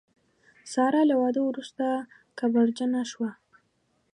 ساره له واده وروسته کبرجنه شوه.